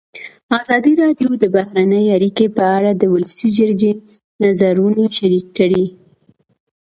ازادي راډیو د بهرنۍ اړیکې په اړه د ولسي جرګې نظرونه شریک کړي.